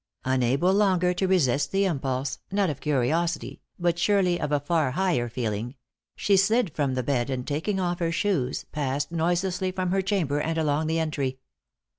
Unable longer to resist the impulse not of curiosity, but surely of a far higher feeling she slid from the bed, and taking off her shoes, passed noiselessly from her chamber and along the entry.